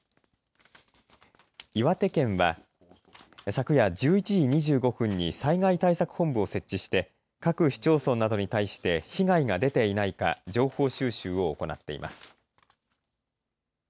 岩手県は昨夜１１時２５分に災害対策本部を設置して各市町村に対して被害が出ていないか情報収集を行っています。